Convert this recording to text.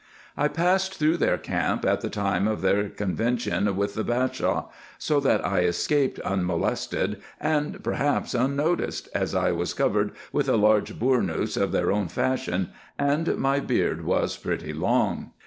I passed through their camp, at the time of their con vention with the Bashaw, so that I escaped unmolested, and perhaps unnoticed, as I was covered with a large burnoose of their own fashion, and my beard was pretty long.